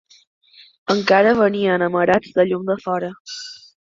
Encara venien amarats de llum de fora